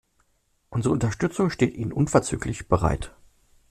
Unsere Unterstützung steht Ihnen unverzüglich bereit.